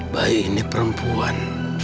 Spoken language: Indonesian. bayi ini perempuan